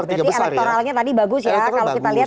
berarti elektoralnya tadi bagus ya kalau kita lihat